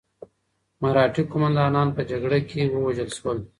مرهټي قوماندانان په جګړه کې ووژل شول.